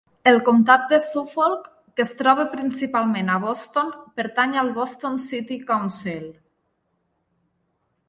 El Comtat de Suffolk, que es troba principalment a Boston, pertany al Boston City Council.